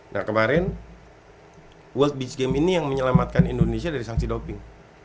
nah kemarin world beach game ini yang menyelamatkan indonesia dari sanksi doping